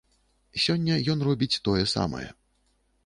Сёння ён робіць тое самае.